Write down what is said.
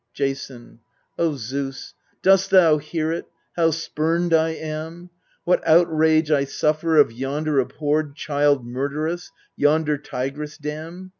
Jason. O Zeus, dost thou hear it, how spurned I am ? What outrage I suffer of yonder abhorred Child murderess, yonder tigress dam ?